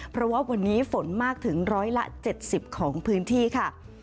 เพราะว่าวันนี้ฝนมากถึง๑๗๐ของพื้นที่ค่ะ